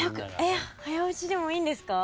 早押しでもいいんですか？